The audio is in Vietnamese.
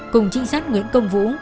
cùng trinh sát nguyễn công vũ